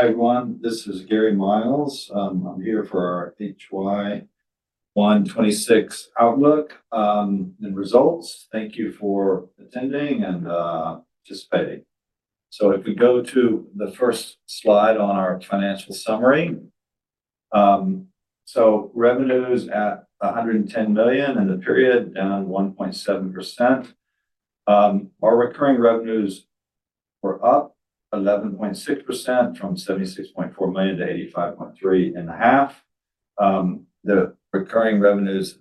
Hi, everyone. This is Gary Miles. I'm here for our HY 2026 outlook and results. Thank you for attending and participating. If we go to the first slide on our financial summary. Revenue's at 110 million in the period, down 1.7%. Our recurring revenues were up 11.6% from 76.4 million-85.3 million in the half. The non-recurring revenues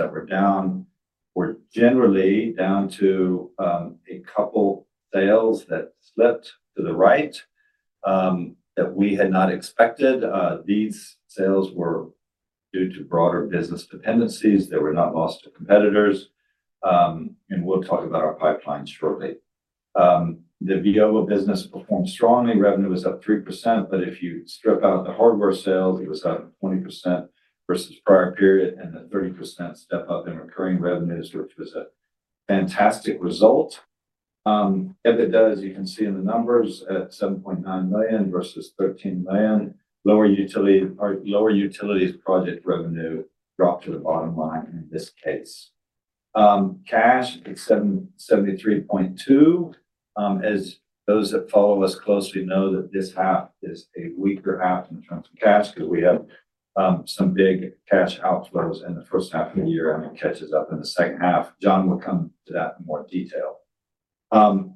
that were down, were generally down to a couple sales that slipped to the right that we had not expected. These sales were due to broader business dependencies that were not lost to competitors. We'll talk about our pipeline shortly. The Veovo business performed strongly. Revenue was up 3%, but if you strip out the hardware sales, it was up 20% versus prior period, and a 30% step up in recurring revenues, which was a fantastic result. EBITDA, as you can see in the numbers, at 7.9 million versus 13 million. Lower utilities project revenue dropped to the bottom line in this case. Cash at 73.2. As those that follow us closely know that this half is a weaker half in terms of cash because we had some big cash outflows in the first half of the year, and it catches up in the second half. John will come to that in more detail.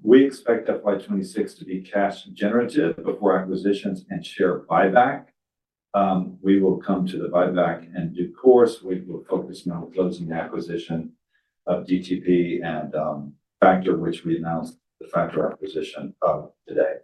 We expect FY 2026 to be cash generative before acquisitions and share buyback. We will come to the buyback in due course. We will focus now on closing the acquisition of DTP and Factor, which we announced the Factor acquisition today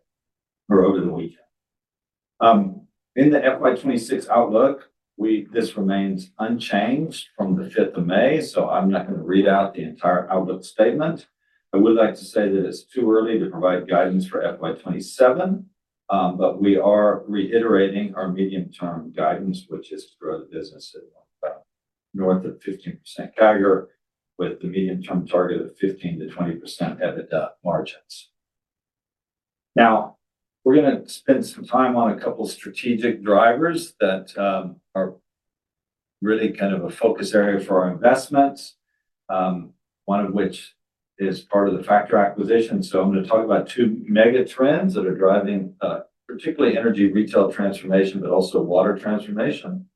or over the weekend. In the FY 2026 outlook, this remains unchanged from the 5th of May, so I'm not going to read out the entire outlook statement. I would like to say that it's too early to provide guidance for FY 2027, but we are reiterating our medium-term guidance, which is to grow the business at north of 15% CAGR with the medium-term target of 15%-20% EBITDA margins. Now, we're going to spend some time on a couple strategic drivers that are really kind of a focus area for our investments, one of which is part of the Factor acquisition. I'm going to talk about two mega trends that are driving, particularly energy retail transformation, but also water transformation.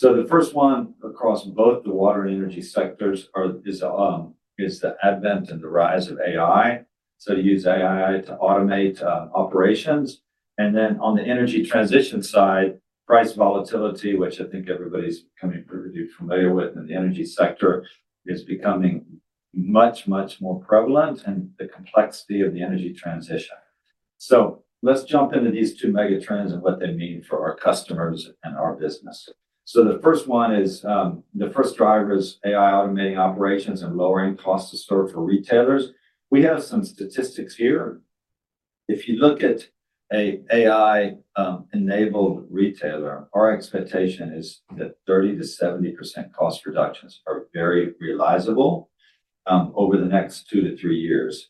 The first one across both the water and energy sectors is the advent and the rise of AI. Use AI to automate operations. On the energy transition side, price volatility, which I think everybody's becoming pretty familiar with in the energy sector, is becoming much more prevalent and the complexity of the energy transition. Let's jump into these two mega trends and what they mean for our customers and our business. The first one is the first driver is AI automating operations and lowering cost to serve for retailers. We have some statistics here. If you look at a AI enabled retailer, our expectation is that 30%-70% cost reductions are very realizable over the next two to three years.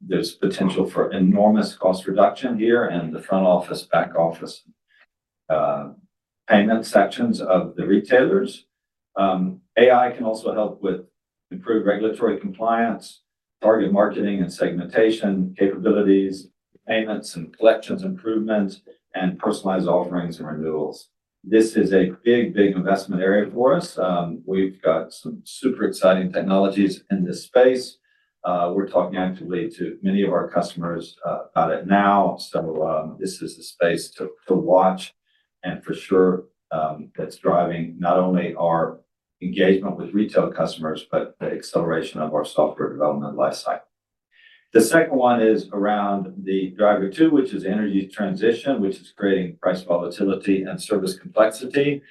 There's potential for enormous cost reduction here in the front office, back office, payment sections of the retailers. AI can also help with improved regulatory compliance, target marketing and segmentation capabilities, payments and collections improvements, and personalized offerings and renewals. This is a big, big investment area for us. We've got some super exciting technologies in this space. We're talking actively to many of our customers about it now. This is the space to watch. For sure, that's driving not only our engagement with retail customers, but the acceleration of our software development life cycle. The second one is around the driver two, which is energy transition, which is creating price volatility and service complexity.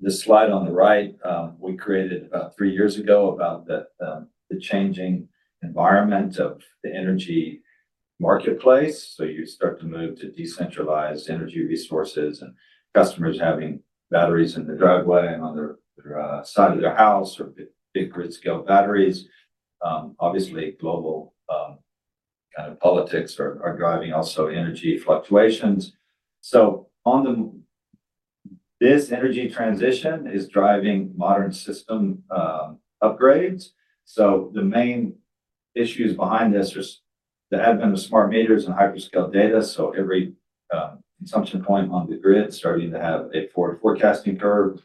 This slide on the right, we created about three years ago about the changing environment of the energy marketplace. You start to move to decentralized energy resources and customers having batteries in the driveway and on their side of their house or big grid-scale batteries. Obviously global, kind of politics are driving also energy fluctuations. This energy transition is driving modern system upgrades. The main issues behind this is the advent of smart meters and hyper-scale data. Every consumption point on the grid starting to have a forecasting curve.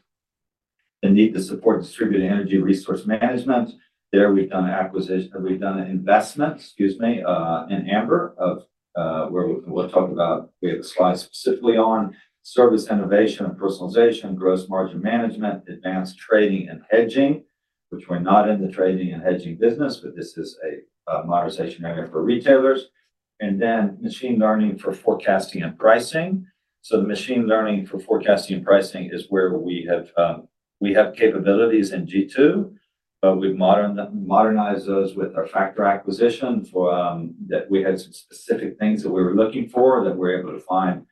The need to support Distributed Energy Resource Management. There we've done an investment, excuse me, in Amber of, where we'll talk about. We have a slide specifically on service innovation and personalization, gross margin management, advanced trading and hedging, which we're not in the trading and hedging business, but this is a modernization area for retailers. Machine learning for forecasting and pricing. The machine learning for forecasting and pricing is where we have capabilities in g2, but we've modernized those with our Factor acquisition for that we had some specific things that we were looking for that we were able to find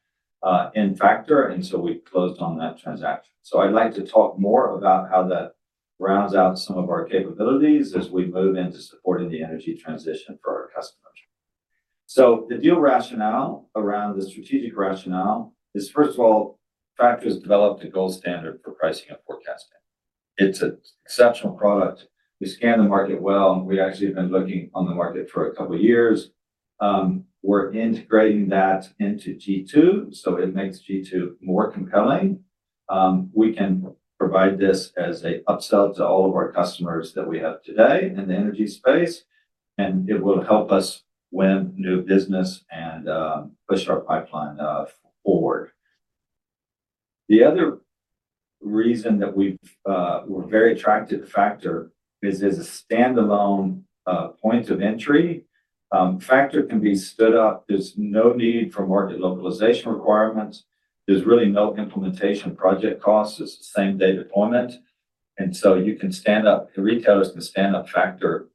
in Factor, we closed on that transaction. I'd like to talk more about how that rounds out some of our capabilities as we move into supporting the energy transition for our customers. The deal rationale around the strategic rationale is, first of all, Factor's developed a gold standard for pricing and forecasting. It's an exceptional product. We scan the market well, and we actually have been looking on the market for a couple years. We're integrating that into g2, so it makes g2 more compelling. We can provide this as a upsell to all of our customers that we have today in the energy space, and it will help us win new business and push our pipeline forward. The other reason that we've, we're very attracted to Factor is as a standalone point of entry. Factor can be stood up. There's no need for market localization requirements. There's really no implementation project costs. It's the same-day deployment. The retailers can stand up Factor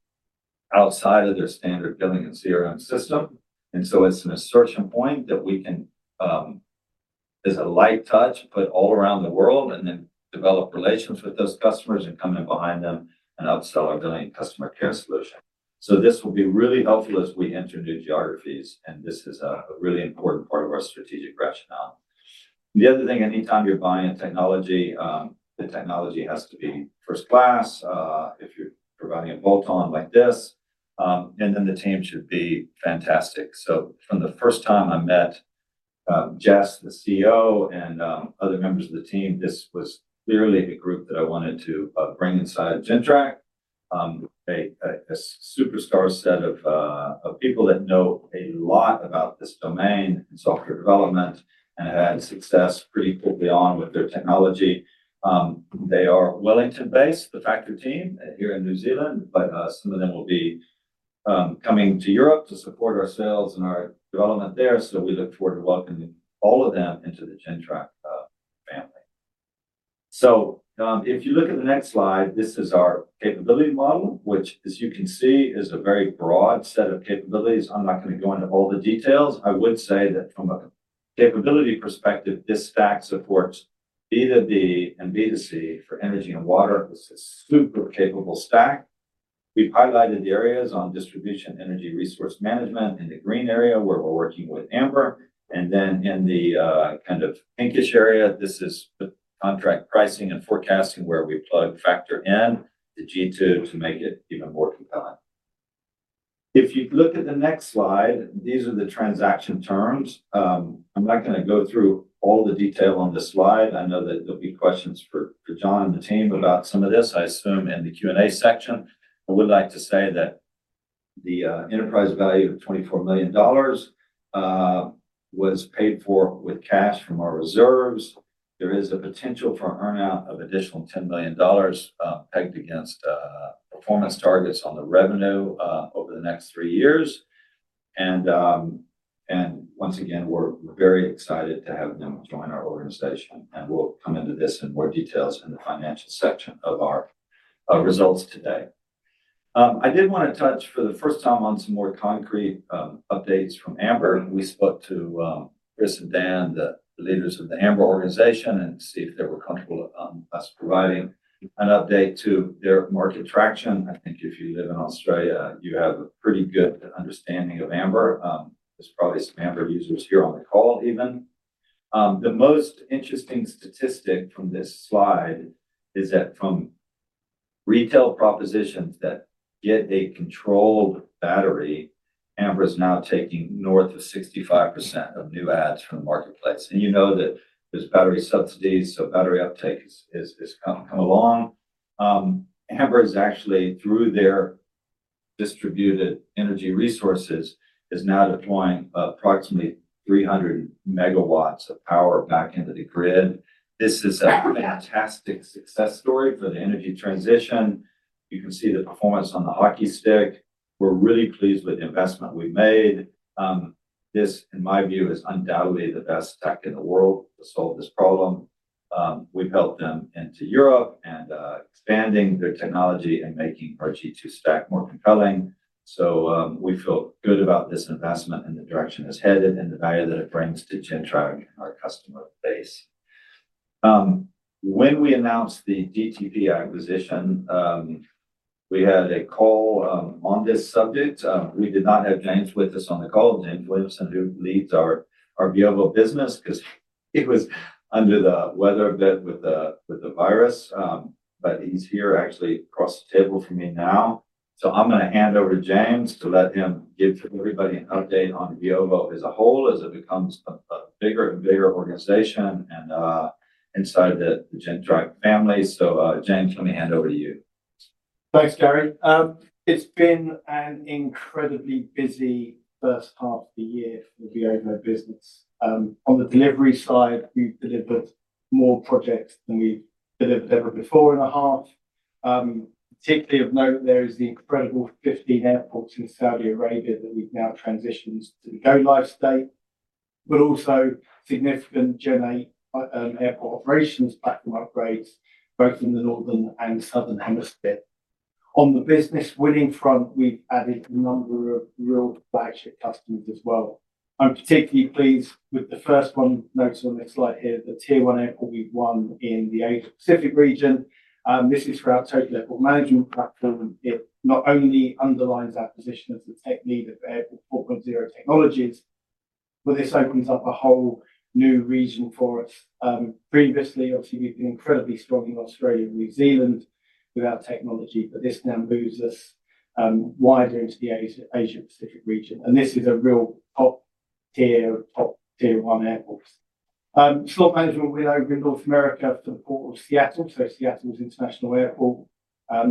outside of their standard billing and CRM system. It's an [assertion] point that we can, there's a light touch put all around the world, and then develop relations with those customers and come in behind them and upsell our billing customer care solution. This will be really helpful as we enter new geographies, and this is a really important part of our strategic rationale. The other thing, anytime you're buying technology, the technology has to be first class, if you're providing a bolt-on like this. The team should be fantastic. From the first time I met, Jess, the CEO, and other members of the team, this was clearly a group that I wanted to bring inside Gentrack. A superstar set of people that know a lot about this domain and software development and had success pretty fully on with their technology. They are Wellington-based, the Factor team, here in New Zealand, but some of them will be coming to Europe to support our sales and our development there, so we look forward to welcoming all of them into the Gentrack family. If you look at the next slide, this is our capability model, which as you can see, is a very broad set of capabilities. I'm not gonna go into all the details. I would say that from a capability perspective, this stack supports B2B and B2C for energy and water. This is super capable stack. We've highlighted the areas on Distributed Energy Resource Management in the green area where we're working with Amber. In the kind of pinkish area, this is the contract pricing and forecasting where we plug Factor in the g2 to make it even more compelling. If you look at the next slide, these are the transaction terms. I'm not gonna go through all the detail on this slide. I know that there'll be questions for John and the team about some of this, I assume in the Q&A section. I would like to say that the enterprise value of 24 million dollars was paid for with cash from our reserves. There is a potential for earn-out of additional 10 million dollars pegged against performance targets on the revenue over the next three years. Once again, we're very excited to have them join our organization, and we'll come into this in more details in the financial section of our results today. I did want to touch for the first time on some more concrete updates from Amber. We spoke to Chris and Dan, the leaders of the Amber organization, and see if they were comfortable us providing an update to their market traction. I think if you live in Australia, you have a pretty good understanding of Amber. There's probably some Amber users here on the call even. The most interesting statistic from this slide is that from retail propositions that get a controlled battery, Amber is now taking north of 65% of new [adds] from the marketplace. You know that there's battery subsidies, so battery uptake is come along. Amber is actually, through their distributed energy resources, is now deploying approximately 300 MW of power back into the grid. This is a fantastic success story for the energy transition. You can see the performance on the hockey stick. We're really pleased with the investment we've made. This, in my view, is undoubtedly the best tech in the world to solve this problem. We've helped them into Europe and expanding their technology and making our g2 stack more compelling. We feel good about this investment and the direction it's headed and the value that it brings to Gentrack, our customer base. When we announced the DTP acquisition, we had a call on this subject. We did not have James with us on the call, James Williamson, who leads our Veovo business 'cause he was under the weather a bit with the virus. He's here actually across the table from me now. I'm gonna hand over to James to let him give everybody an update on Veovo as a whole, as it becomes a bigger and bigger organization inside the Gentrack family. James, let me hand over to you. Thanks, Gary. It's been an incredibly busy first half of the year for the Veovo business. On the delivery side, we've delivered more projects than we've delivered ever before in a half. Particularly of note there is the incredible 15 airports in Saudi Arabia that we've now transitioned to go live state, but also significant Gen8 airport operations platform upgrades both in the northern and southern hemisphere. On the business winning front, we've added a number of real flagship customers as well. I'm particularly pleased with the first one noted on this slide here, the tier one airport we've won in the Asia-Pacific region. This is for our Total Airport Management platform. It not only underlines our position as the tech lead of Airport 4.0 technologies, but this opens up a whole new region for us. Previously, obviously, we've been incredibly strong in Australia and New Zealand with our technology, but this now moves us wider into the Asia-Pacific region, and this is a real top-tier, top tier one airports. Slot management win over in North America for the Port of Seattle, so Seattle's International Airport.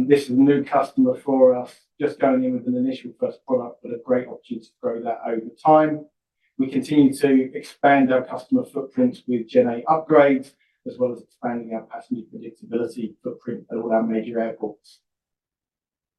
This is a new customer for us, just going in with an initial first product, but a great opportunity to grow that over time. We continue to expand our customer footprint with [Gen8] upgrades, as well as expanding our passenger predictability footprint at all our major airports.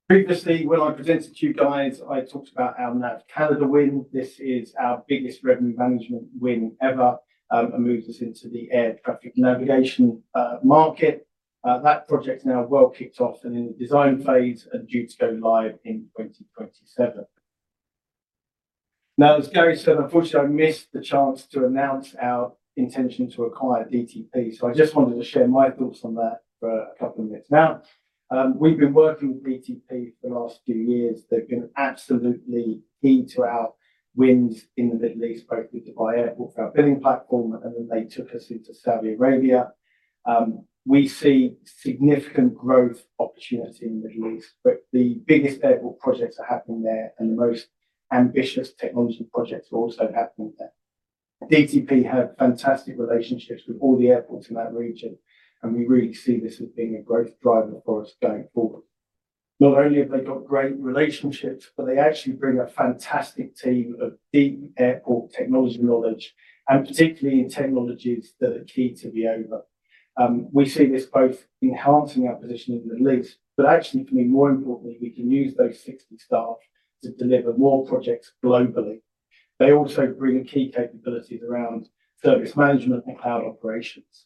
Previously, when I presented to you guys, I talked about our NAV CANADA win. This is our biggest revenue management win ever, and moves us into the air traffic navigation market. That project's now well kicked off and in the design phase and due to go live in 2027. As Gary said, unfortunately I missed the chance to announce our intention to acquire DTP, so I just wanted to share my thoughts on that for a couple of minutes. We've been working with DTP for the last few years. They've been absolutely key to our wins in the Middle East, both with Dubai Airport for our billing platform, and then they took us into Saudi Arabia. We see significant growth opportunity in the Middle East, the biggest airport projects are happening there, and the most ambitious technology projects are also happening there. DTP have fantastic relationships with all the airports in that region, we really see this as being a growth driver for us going forward. Not only have they got great relationships, but they actually bring a fantastic team of deep airport technology knowledge, and particularly in technologies that are key to the Veovo. We see this both enhancing our position in the Middle East, but actually for me, more importantly, we can use those 60 staff to deliver more projects globally. They also bring key capabilities around service management and cloud operations.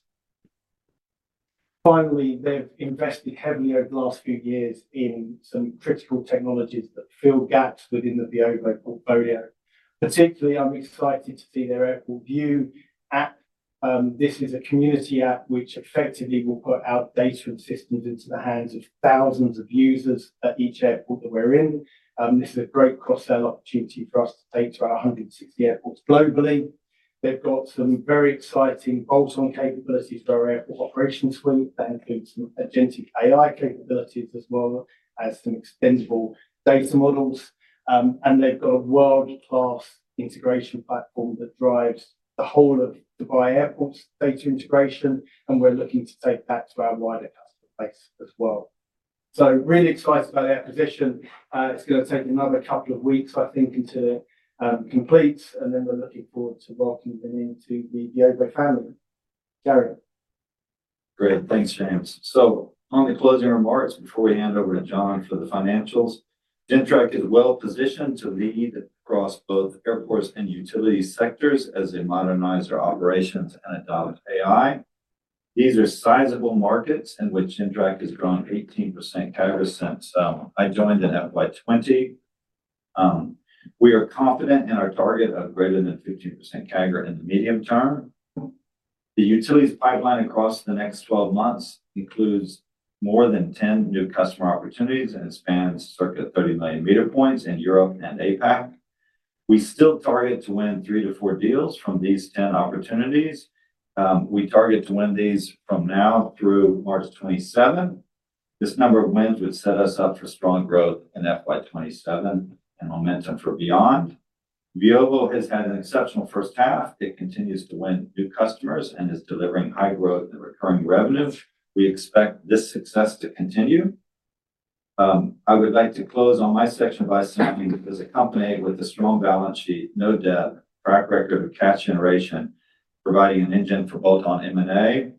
Finally, they've invested heavily over the last few years in some critical technologies that fill gaps within the Veovo portfolio. Particularly, I'm excited to see their AirportView app. This is a community app which effectively will put our data and systems into the hands of thousands of users at each airport that we're in. This is a great cross-sell opportunity for us to take to our 160 airports globally. They've got some very exciting bolt-on capabilities for our airport operations suite. That includes some Agentic AI capabilities as well as some extendable data models. And they've got a world-class integration platform that drives the whole of Dubai Airport's data integration, and we're looking to take that to our wider customer base as well. Really excited about our position. It's gonna take another couple of weeks, I think, until it completes, and then we're looking forward to welcoming them into the Veovo family. Gary? Great. Thanks, James. On the closing remarks, before we hand over to John for the financials, Gentrack is well-positioned to lead across both airports and utility sectors as they modernize their operations and adopt AI. These are sizable markets in which Gentrack has grown 18% CAGR since I joined in FY 2020. We are confident in our target of greater than 15% CAGR in the medium term. The utilities pipeline across the next 12 months includes more than 10 new customer opportunities, and it spans circa 30 million meter points in Europe and APAC. We still target to win three to four deals from these 10 opportunities. We target to win these from now through March 2027. This number of wins would set us up for strong growth in FY 2027 and momentum for beyond. Veovo has had an exceptional first half. It continues to win new customers and is delivering high growth and recurring revenue. We expect this success to continue. I would like to close on my section by saying this is a company with a strong balance sheet, no debt, track record of cash generation, providing an engine for bolt-on M&A.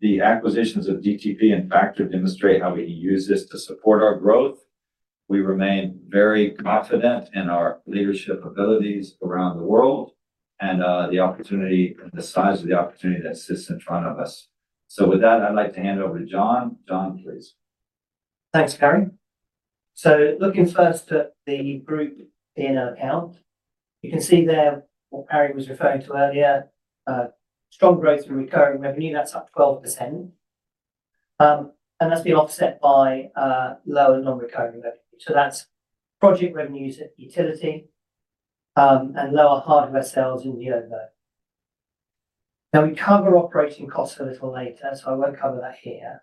The acquisitions of DTP, in fact, demonstrate how we use this to support our growth. We remain very confident in our leadership abilities around the world and, the opportunity and the size of the opportunity that sits in front of us. With that, I would like to hand over to John. John, please. Thanks, Gary. Looking first at the group P&L account, you can see there what Gary was referring to earlier, strong growth in recurring revenue. That's up 12%. That's been offset by lower non-recurring revenue. That's project revenues at utility, and lower hardware sales in Veovo. We cover operating costs a little later. I won't cover that here.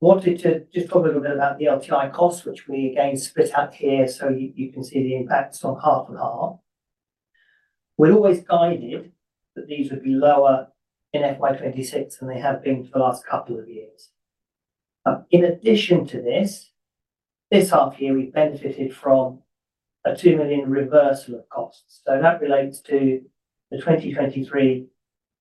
Wanted to just talk a little bit about the LTI costs, which we again split out here you can see the impacts on half and half. We'd always guided that these would be lower in FY 2026 than they have been for the last couple of years. In addition to this half year we benefited from a 2 million reversal of costs. That relates to the 2023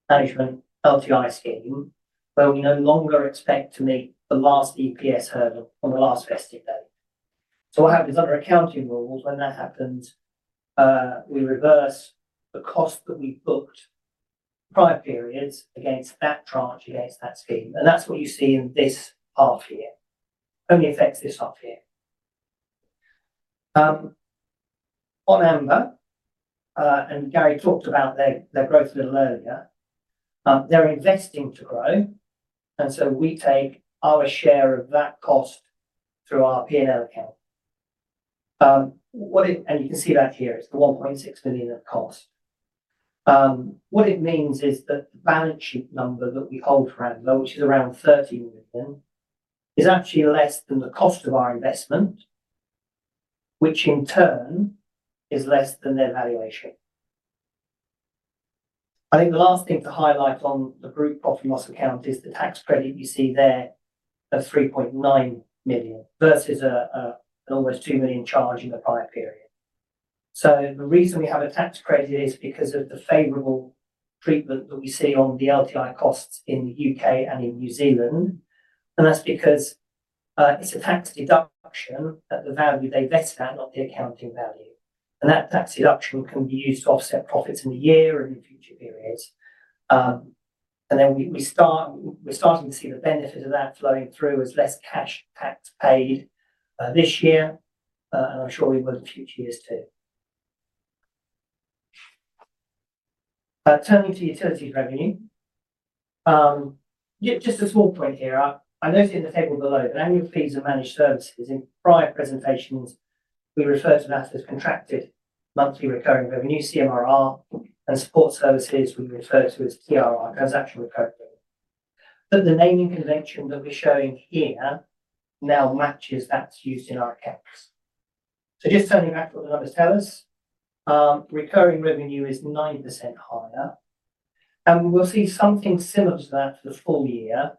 management LTI scheme, where we no longer expect to meet the last EPS hurdle on the last vesting date. What happens under accounting rules when that happens, we reverse the cost that we booked prior periods against that tranche, against that scheme. That's what you see in this half year. Only affects this half year. On Amber, Gary talked about their growth a little earlier. They're investing to grow, we take our share of that cost through our P&L account. You can see that here, it's the 1.6 million of cost. What it means is that the balance sheet number that we hold for Amber, which is around 13 million, is actually less than the cost of our investment, which in turn is less than their valuation. I think the last thing to highlight on the group profit and loss account is the tax credit you see there of 3.9 million versus an almost 2 million charge in the prior period. The reason we have a tax credit is because of the favorable treatment that we see on the LTI costs in the U.K. and in New Zealand, and that's because it's a tax deduction at the value they vet at, not the accounting value. And that tax deduction can be used to offset profits in the year and in future periods. And then we're starting to see the benefit of that flowing through as less cash tax paid this year, and I'm sure we will in future years too. Turning to utility revenue. Just a small point here. I noted in the table below that annual fees and managed services in prior presentations, we refer to that as contracted monthly recurring revenue, CMRR, and support services we refer to as TRR, transaction recurring. The naming convention that we're showing here now matches that used in our accounts. Just turning back what the numbers tell us, recurring revenue is 9% higher, and we will see something similar to that for the full year.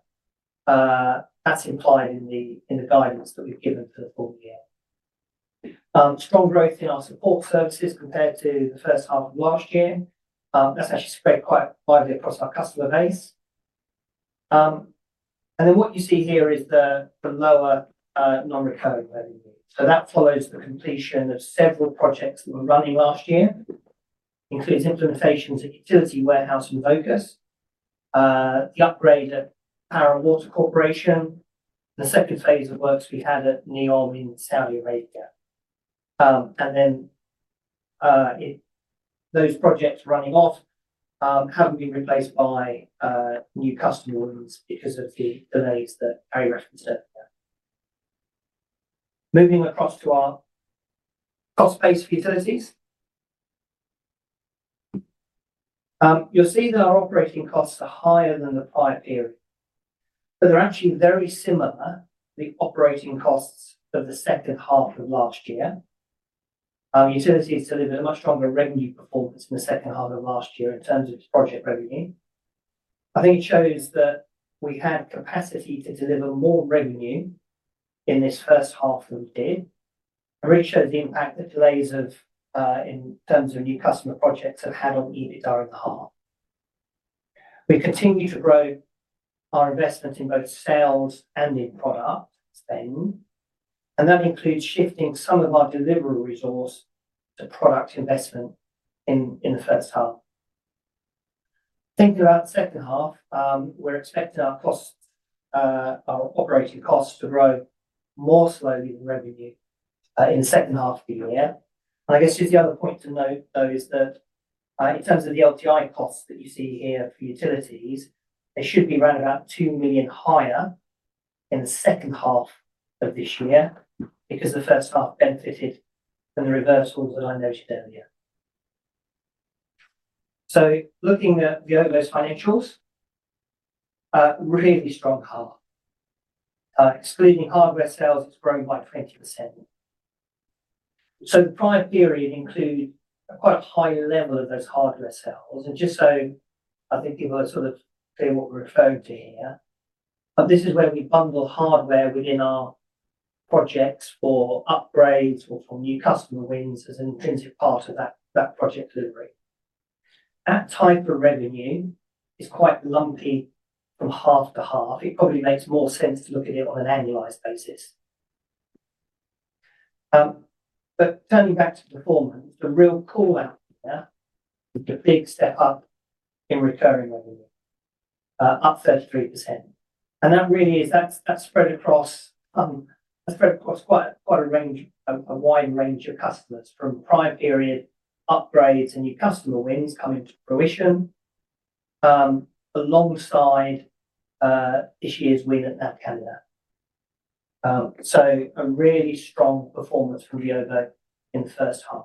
That's implied in the guidance that we've given for the full year. Strong growth in our support services compared to the first half of last year. That's actually spread quite widely across our customer base. What you see here is the lower non-recurring revenue. That follows the completion of several projects that were running last year. Includes implementations at Utility Warehouse and Focus, the upgrade at Power and Water Corporation, the second phase of works we had at NEOM in Saudi Arabia. Those projects running off, haven't been replaced by new customer wins because of the delays that Gary referenced earlier. Moving across to our cost base for utilities. You'll see that our operating costs are higher than the prior period, but they're actually very similar to the operating costs of the second half of last year. Utilities delivered a much stronger revenue performance in the second half of last year in terms of project revenue. I think it shows that we had capacity to deliver more revenue in this first half than we did. It really shows the impact the delays of in terms of new customer projects have had on EBITDA in the half. We continue to grow our investment in both sales and in product spend, that includes shifting some of our delivery resource to product investment in the first half. Thinking about the second half, we're expecting our costs, our operating costs to grow more slowly than revenue in the second half of the year. I guess just the other point to note, though, is that in terms of the LTI costs that you see here for utilities, they should be around about 2 million higher in the second half of this year because the first half benefited from the reversals that I noted earlier. Looking at Veovo's financials, a really strong half. Excluding hardware sales, it's grown by 20%. The prior period included quite a high level of those hardware sales. Just so I think people sort of feel what we're referring to here, but this is where we bundle hardware within our projects for upgrades or for new customer wins as an intrinsic part of that project delivery. That type of revenue is quite lumpy from half to half. It probably makes more sense to look at it on an annualized basis. But turning back to performance, the real call-out here is the big step up in recurring revenue, up 33%. And that's spread across quite a wide range of customers from prior period upgrades and new customer wins coming to fruition alongside this year's win at NAV CANADA. A really strong performance from Veovo in the first half.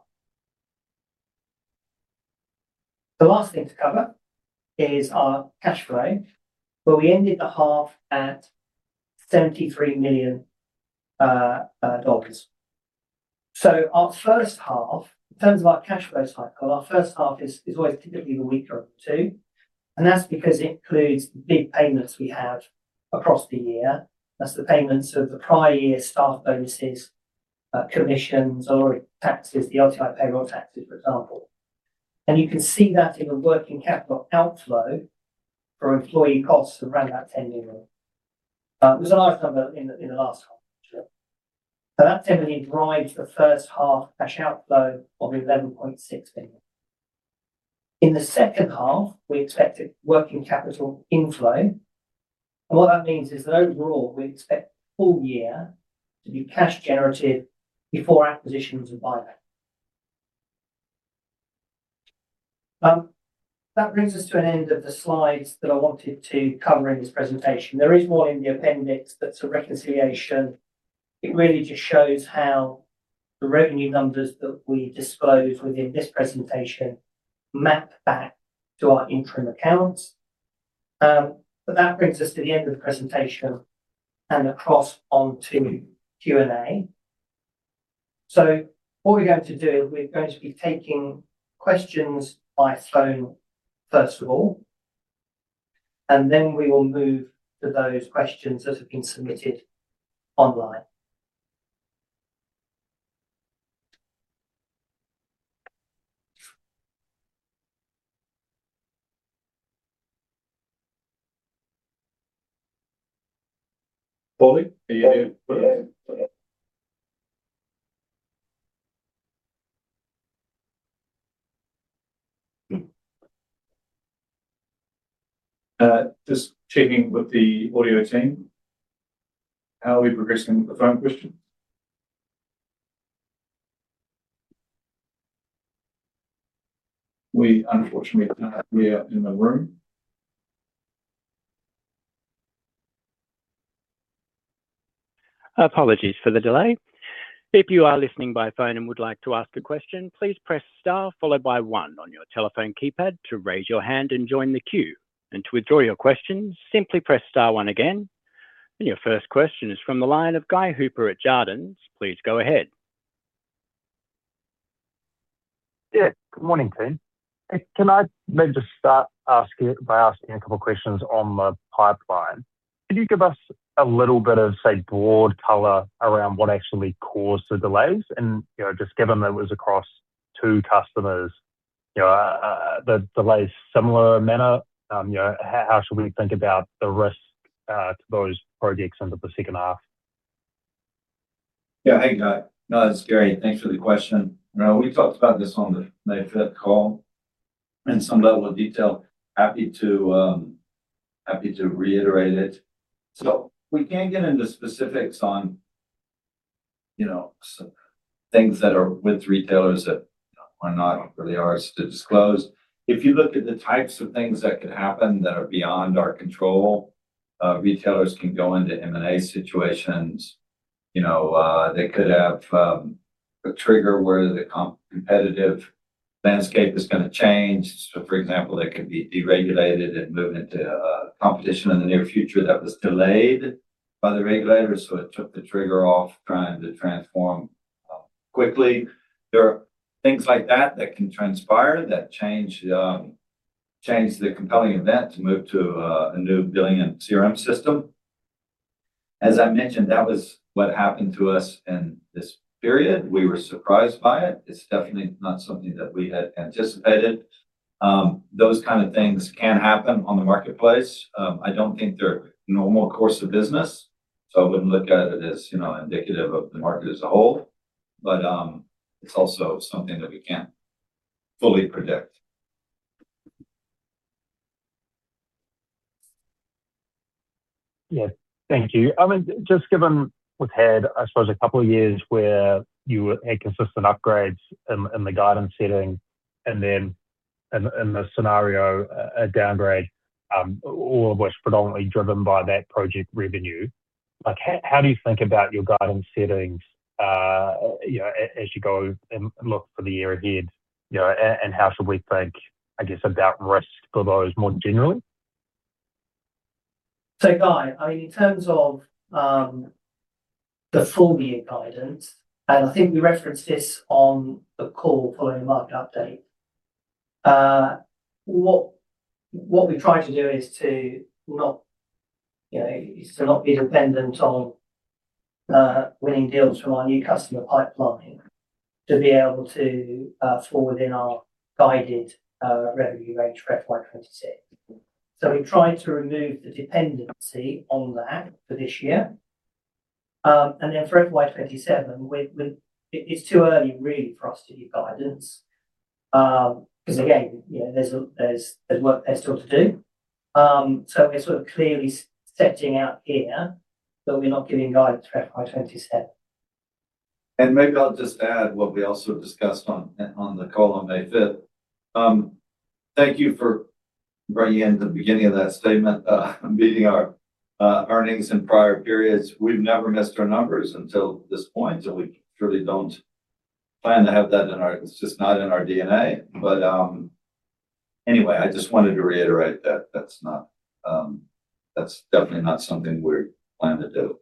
The last thing to cover is our cash flow, where we ended the half at 73 million dollars. Our first half, in terms of our cash flow cycle, our first half is always typically the weaker of the two, and that's because it includes big payments we have across the year. That's the payments of the prior year staff bonuses, commissions or taxes, the LTI payroll taxes, for example. You can see that in the working capital outflow for employee costs of around about 10 million. It was a large number in the last half. That's definitely drives the first half cash outflow of 11.6 million. In the second half, we expected working capital inflow. What that means is that overall, we expect full year to be cash generative before acquisitions and buyback. That brings us to an end of the slides that I wanted to cover in this presentation. There is more in the appendix that's a reconciliation. It really just shows how the revenue numbers that we disclose within this presentation map back to our interim accounts. That brings us to the end of the presentation and across onto Q&A. What we're going to do, we're going to be taking questions by phone first of all, and then we will move to those questions that have been submitted online. Paulie, are you with us? Yeah. Just checking with the audio team. How are we progressing with the phone questions? We unfortunately do not have Mia in the room. Apologies for the delay. If you are listening by phone and would like to ask a question, please press star followed by one on your telephone keypad to raise your hand and join the queue. To withdraw your question, simply press star one again. Your first question is from the line of Guy Hooper at Jarden. Please go ahead. Yeah. Good morning, team. Can I maybe just start asking, by asking two questions on the pipeline? Can you give us a little bit of, say, broad color around what actually caused the delays and, you know, just given that it was across two customers, you know, the delays similar manner, you know, how should we think about the risk to those projects under the second half? Hey, Guy. That's great. Thanks for the question. You know, we talked about this on the May 5th call in some level of detail. Happy to reiterate it. We can't get into specifics on, you know, things that are with retailers that are not really ours to disclose. If you look at the types of things that could happen that are beyond our control, retailers can go into M&A situations. You know, they could have a trigger where the competitive landscape is going to change. For example, they could be deregulated and moving into a competition in the near future that was delayed by the regulators, so it took the trigger off trying to transform quickly. There are things like that that can transpire that change the compelling event to move to a new [billing] CRM system. As I mentioned, that was what happened to us in this period. We were surprised by it. It's definitely not something that we had anticipated. Those kind of things can happen on the marketplace. I don't think they're normal course of business, so I wouldn't look at it as, you know, indicative of the market as a whole. It's also something that we can't fully predict. Yeah. Thank you. I mean, just given we've had, I suppose, a couple of years where you had consistent upgrades in the guidance setting, and then in the scenario a downgrade, all of which predominantly driven by that project revenue. Like, how do you think about your guidance settings, you know, as you go and look for the year ahead, you know, and how should we think, I guess, about risk for those more generally? Guy, I mean, in terms of the full year guidance, and I think we referenced this on the call following market update, what we try to do is to not be dependent on winning deals from our new customer pipeline to be able to fall within our guided revenue range for FY 2026. We try to remove the dependency on that for this year. Then for FY 2027, it's too early really for us to give guidance, 'cause again, you know, there's work there still to do. We're sort of clearly setting out here that we're not giving guidance for FY 2027. Maybe I'll just add what we also discussed on the call on May 5th. Thank you for bringing in the beginning of that statement, meeting our earnings in prior periods. We've never missed our numbers until this point, so we surely don't plan to have that. It's just not in our DNA. Anyway, I just wanted to reiterate that's not, that's definitely not something we plan to do.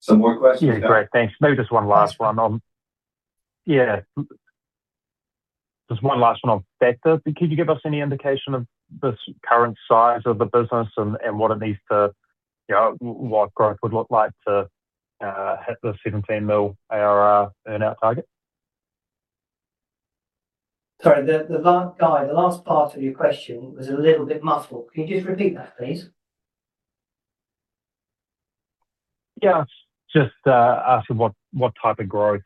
Some more questions, Guy? Yeah, great. Thanks. Maybe just one last one on Factor. Could you give us any indication of this current size of the business and what it needs to, you know, what growth would look like to hit the 17 million ARR earn-out target? Sorry, the last part of your question was a little bit muffled. Can you just repeat that, please? Yeah. Just asking what type of growth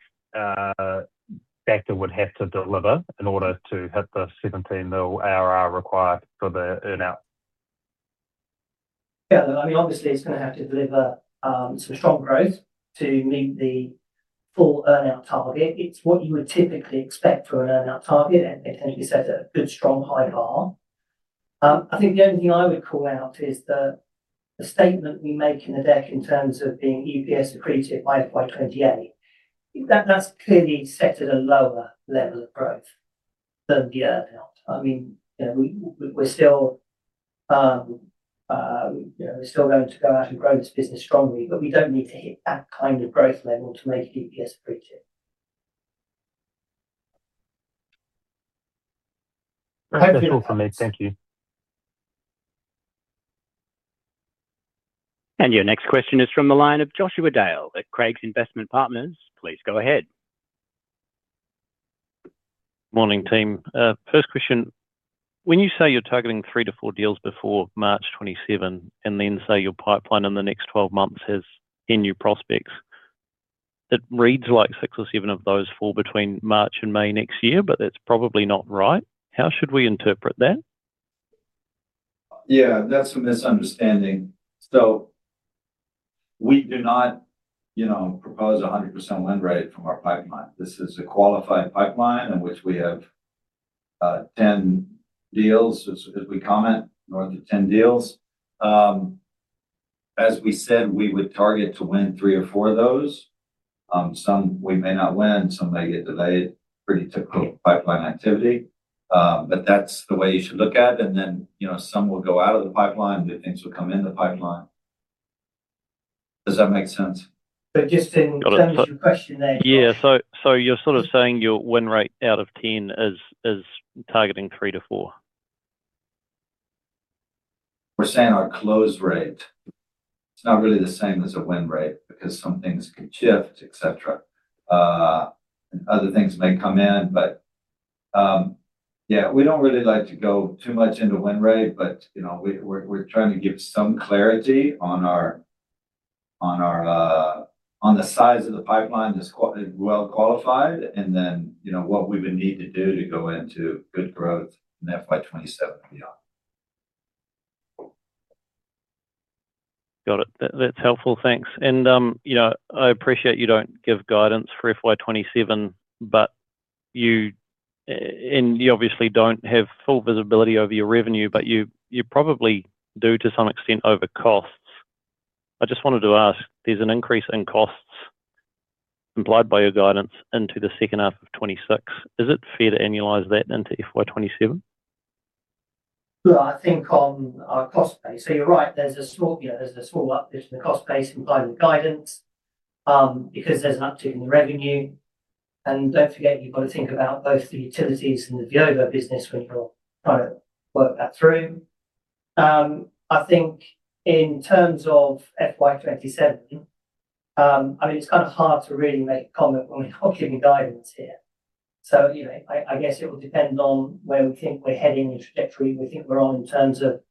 Factor would have to deliver in order to hit the 17 million ARR required for the earn-out. Look, I mean, obviously, it's gonna have to deliver some strong growth to meet the full earn-out target. It's what you would typically expect for an earn-out target. It sets a good, strong high bar. I think the only thing I would call out is the statement we make in the deck in terms of being EPS accretive by FY 2028. I think that's clearly set at a lower level of growth than the earn-out. I mean, you know, we're still, you know, we're still going to go out and grow this business strongly, but we don't need to hit that kind of growth level to make EPS accretive. That's all from me. Thank you. Your next question is from the line of Joshua Dale at Craigs Investment Partners. Please go ahead. Morning, team. First question. When you say you're targeting three to four deals before March 2027, and then say your pipeline in the next 12 months has 10 new prospects, it reads like six or seven of those fall between March and May next year, but that's probably not right. How should we interpret that? Yeah, that's a misunderstanding. We do not, you know, propose a 100% win rate from our pipeline. This is a qualified pipeline in which we have 10 deals as we comment, in order 10 deals. As we said, we would target to win three or four of those. Some we may not win, some may get delayed, pretty typical pipeline activity. But that's the way you should look at. Then, you know, some will go out of the pipeline, different things will come in the pipeline. Does that make sense? Just in terms of your question there, Josh. Yeah. You're sort of saying your win rate out of 10 is targeting three to four. We're saying our close rate. It's not really the same as a win rate because some things could shift, et cetera. Other things may come in, but, yeah, we don't really like to go too much into win rate. You know, we're trying to give some clarity on our, on our, on the size of the pipeline that's well qualified, and then, you know, what we would need to do to go into good growth in FY 2027 and beyond. Got it. That, that's helpful, thanks. You know, I appreciate you don't give guidance for FY 2027, but you, and you obviously don't have full visibility over your revenue, but you probably do to some extent over costs. I just wanted to ask, there's an increase in costs implied by your guidance into the second half of 2026. Is it fair to annualize that into FY 2027? I think on our cost base. You're right, there's a small, you know, there's a small uptick in the cost base implied with guidance, because there's an uptick in the revenue. Don't forget, you've got to think about both the utilities and the Veovo business when you're trying to work that through. I think in terms of FY 2027, I mean, it's kind of hard to really make comment when we're not giving guidance here. You know, I guess it will depend on where we think we're heading, the trajectory we think we're on in terms of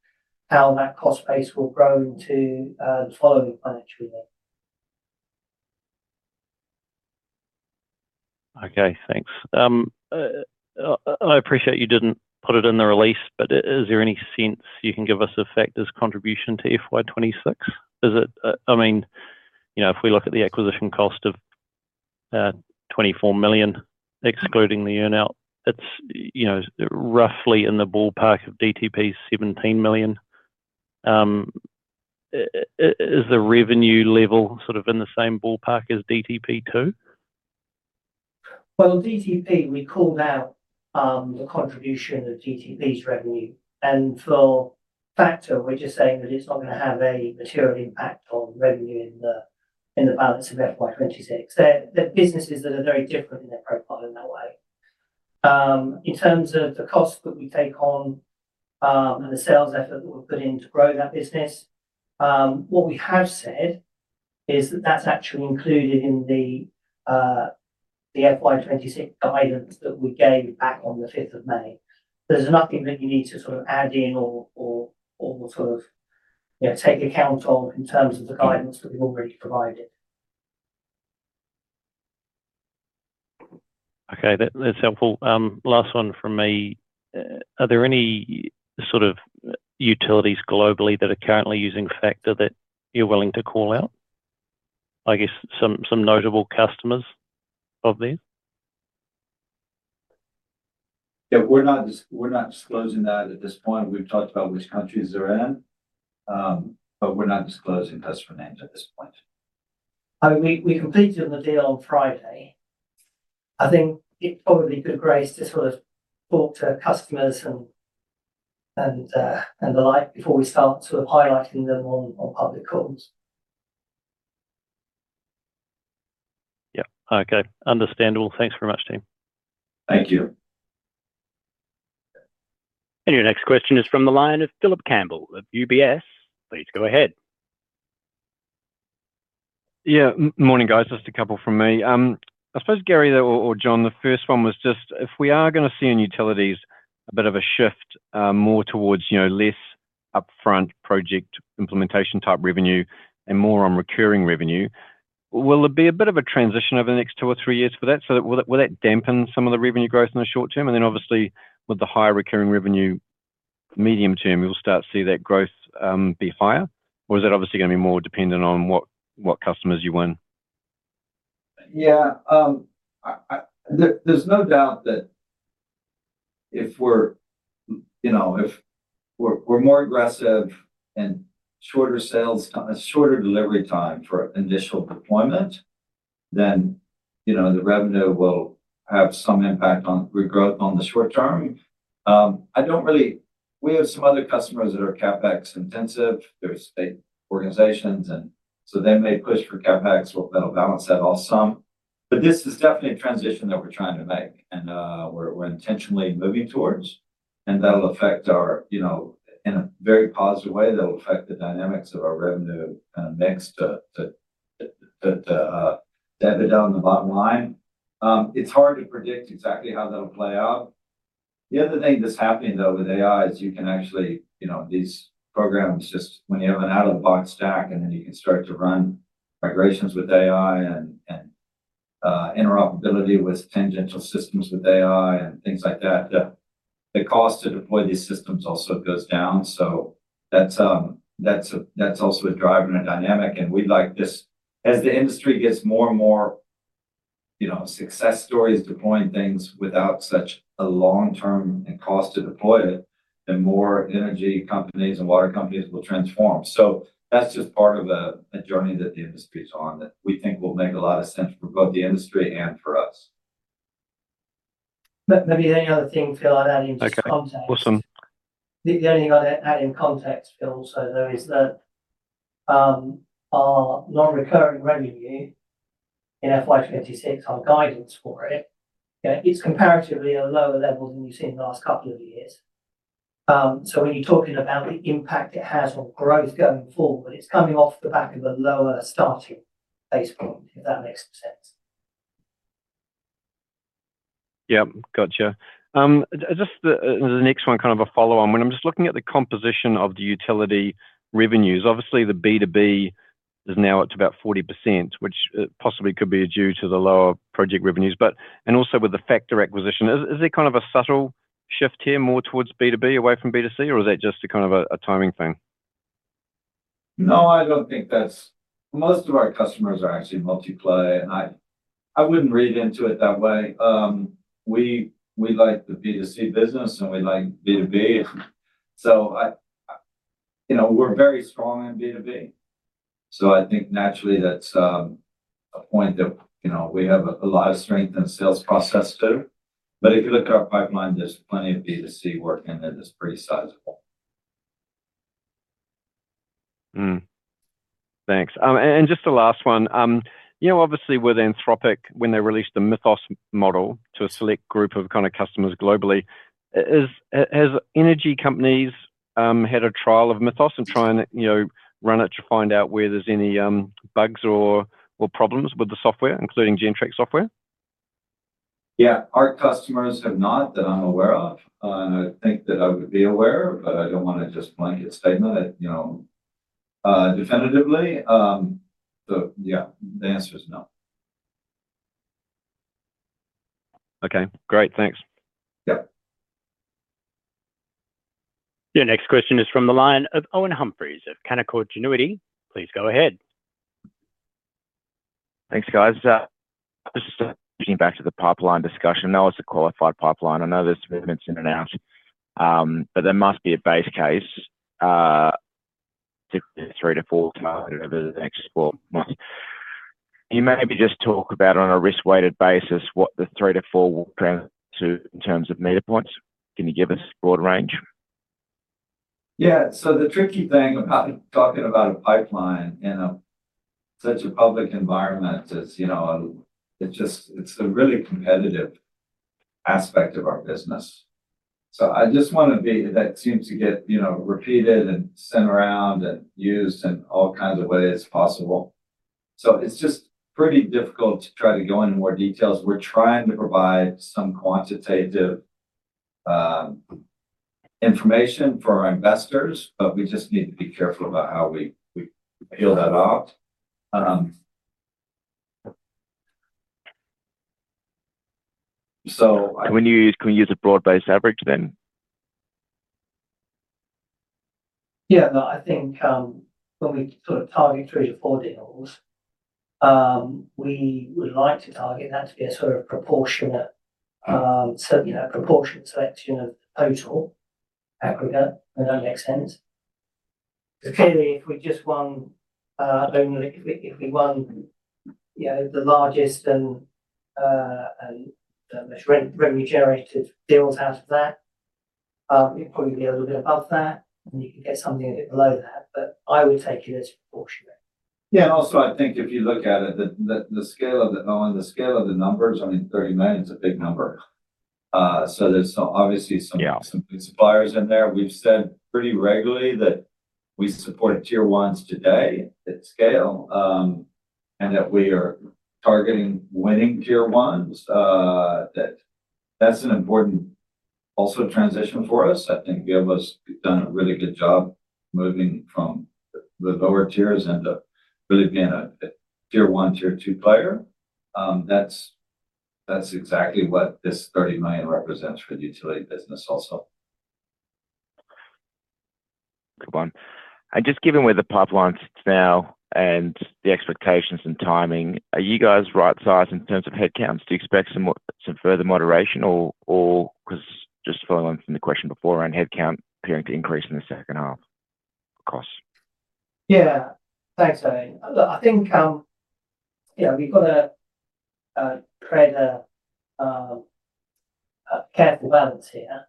how that cost base will grow into the following financial year. Okay, thanks. I appreciate you didn't put it in the release, is there any sense you can give us of Factor's contribution to FY 2026? I mean, you know, if we look at the acquisition cost of 24 million, excluding the earn-out, it's, you know, roughly in the ballpark of DTP's 17 million. Is the revenue level sort of in the same ballpark as DTP too? Well, DTP, we called out the contribution of DTP's revenue. For Factor, we're just saying that it's not gonna have a material impact on revenue in the, in the balance of FY 2026. They're businesses that are very different in their profile in that way. In terms of the cost that we take on, and the sales effort that we've put in to grow that business, what we have said is that that's actually included in the FY 2026 guidance that we gave back on the 5th of May. There's nothing that you need to sort of add in or sort of, you know, take account of in terms of the guidance that we've already provided. Okay. That's helpful. Last one from me. Are there any sort of utilities globally that are currently using Factor that you are willing to call out? I guess some notable customers of these. Yeah. We're not disclosing that at this point. We've talked about which countries they're in. We're not disclosing customer names at this point. I mean, we completed on the deal on Friday. I think it probably good grace to sort of talk to customers and the like before we start sort of highlighting them on public calls. Yeah. Okay. Understandable. Thanks very much, team. Thank you. Your next question is from the line of Philip Campbell of UBS. Please go ahead. Yeah. Morning, guys. Just a couple from me. I suppose, Gary or John, the first one was just if we are gonna see in utilities a bit of a shift, more towards, you know, less upfront project implementation type revenue and more on recurring revenue, will there be a bit of a transition over the next two or three years for that? Will that dampen some of the revenue growth in the short term? Obviously with the higher recurring revenue medium term, you'll start to see that growth, be higher, or is it obviously gonna be more dependent on what customers you win? Yeah. I, there's no doubt that if we're, you know, if we're more aggressive and shorter sales, shorter delivery time for initial deployment, then, you know, the revenue will have some impact on growth on the short term. We have some other customers that are CapEx intensive. There's state organizations. They may push for CapEx, we'll, that'll balance that all some. This is definitely a transition that we're trying to make. We're intentionally moving towards, that'll affect our, you know, in a very positive way, that'll affect the dynamics of our revenue mix to debit on the bottom line. It's hard to predict exactly how that'll play out. The other thing that's happening though with AI is you can actually, you know, these programs just when you have an out-of-the-box stack and then you can start to run migrations with AI and interoperability with tangential systems with AI and things like that, the cost to deploy these systems also goes down. That's also a driver and a dynamic. As the industry gets more and more, you know, success stories deploying things without such a long term and cost to deploy it, the more energy companies and water companies will transform. That's just part of a journey that the industry is on that we think will make a lot of sense for both the industry and for us. Maybe any other thing, Phil, I'd add into context. Okay. Awesome. The only other add in context, Phil, so though is that, our non-recurring revenue in FY 2026, our guidance for it, you know, it's comparatively a lower level than you've seen the last couple of years. When you're talking about the impact it has on growth going forward, it's coming off the back of a lower starting base point, if that makes sense. Yeah. Gotcha. Just the next one kind of a follow on. When I'm just looking at the composition of the utility revenues, obviously the B2B is now up to about 40%, which possibly could be due to the lower project revenues. Also with the Factor acquisition, is there kind of a subtle shift here more towards B2B away from B2C, or is that just a kind of a timing thing? No, I don't think that's Most of our customers are actually multi-play, and I wouldn't read into it that way. We like the B2C business and we like B2B. I, you know, we're very strong in B2B. I think naturally that's a point that, you know, we have a lot of strength in sales process too. If you look at our pipeline, there's plenty of B2C work in there that's pretty sizable. Thanks. Just the last one. You know, obviously with Anthropic, when they released the Mythos model to a select group of kind of customers globally, has energy companies had a trial of Mythos and trying to, you know, run it to find out where there's any bugs or problems with the software, including Gentrack software? Yeah. Our customers have not that I'm aware of. I think that I would be aware, but I don't wanna just blanket statement it, you know, definitively. Yeah, the answer is no. Okay. Great. Thanks. Yep. Your next question is from the line of Owen Humphries of Canaccord Genuity. Please go ahead. Thanks, guys. I was just reaching back to the pipeline discussion. I know it's a qualified pipeline. I know there's movements in and out. There must be a base case to the three to four target over the next four months. Can you maybe just talk about on a risk-weighted basis what the three to four will translate to in terms of data points? Can you give us broad range? Yeah. The tricky thing about talking about a pipeline in a such a public environment is, you know, it just, it's a really competitive aspect of our business. That seems to get, you know, repeated and sent around and used in all kinds of ways possible. It's just pretty difficult to try to go into more details. We're trying to provide some quantitative information for our investors, but we just need to be careful about how we peel that out. Can we use a broad-based average then? Yeah. No, I think, when we sort of target three to four deals, we would like to target that to be a sort of proportionate, you know, proportionate selection of the total aggregate in that extent. Clearly, if we won, you know, the largest and the most revenue-generative deals out of that. It'll probably be a little bit above that, and you can get something a bit below that. I would take it as proportionate. Yeah. I think if you look at it, the scale of the numbers, I mean, 30 million is a big number. Yeah. Some big suppliers in there. We've said pretty regularly that we support tier ones today at scale, and that we are targeting winning tier ones. That's an important also transition for us. I think we have done a really good job moving from the lower tiers end up really being a tier one, tier two player. That's exactly what this 30 million represents for the utility business also. Good one. Just given where the pipeline sits now and the expectations and timing, are you guys right sized in terms of headcounts to expect some more, some further moderation or 'cause just following from the question before around headcount appearing to increase in the second half costs? Yeah. Thanks, Owen. Look, I think, you know, we've gotta create a careful balance here.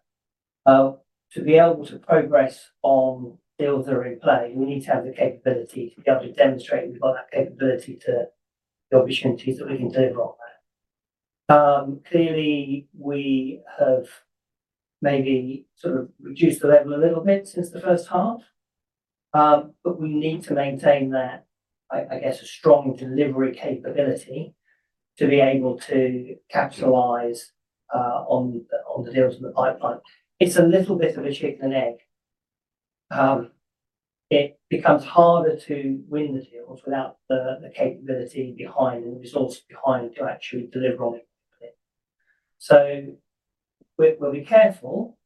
To be able to progress on deals that are in play, we need to have the capability to be able to demonstrate we've got that capability to the opportunities that we can deliver on that. Clearly we have maybe sort of reduced the level a little bit since the first half. We need to maintain that, I guess a strong delivery capability to be able to capitalize on the deals in the pipeline. It's a little bit of a chicken and egg. It becomes harder to win the deals without the capability behind and the resource behind to actually deliver on it. We'll be careful.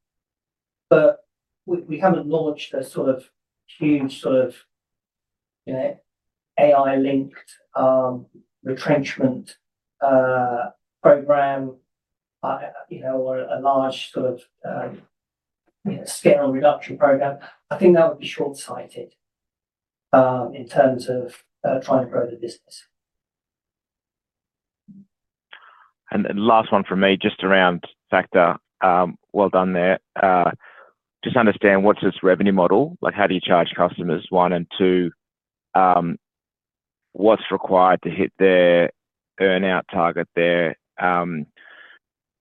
We haven't launched a sort of huge sort of, you know, AI-linked retrenchment program, you know, or a large sort of, you know, scale reduction program. I think that would be shortsighted in terms of trying to grow the business. Last one from me, just around Factor. Well done there. Just understand, what's its revenue model? Like, how do you charge customers, one? Two, what's required to hit their earn-out target there,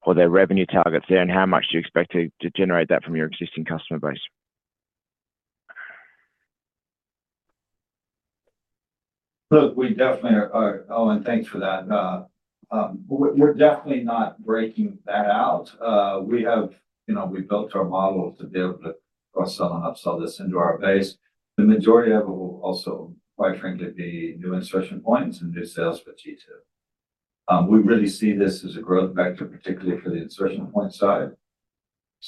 or their revenue targets there, and how much do you expect to generate that from your existing customer base? Look, we definitely are Owen, thanks for that. We're definitely not breaking that out. We have, you know, we built our model to be able to cross-sell and upsell this into our base. The majority of it will also quite frankly be new insertion points and new sales for g2. We really see this as a growth vector, particularly for the insertion point side.